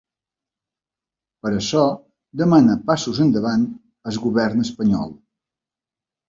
Per això demana passos endavant al govern espanyol.